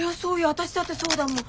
私だってそうだもん。